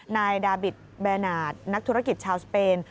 นายดาบิตแบรนาทนักธุรกิจชาวสเปน